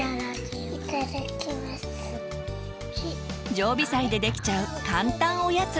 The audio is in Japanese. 常備菜でできちゃう簡単おやつ。